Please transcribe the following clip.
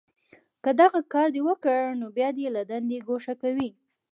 که دغه کار دې وکړ، نو بیا دې له دندې گوښه کوي